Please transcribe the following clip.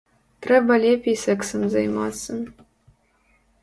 Трэба лепей сэксам займацца.